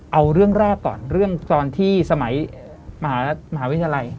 เอาเรื่องแรกก่อนเรื่องตอนที่สมัยมหาวิทยาลัย